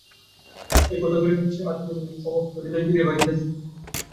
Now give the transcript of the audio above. এই কথাগুলি আজ হেমনলিনীর সমস্ত হৃদয় জুড়িয়া বাজিতেছে।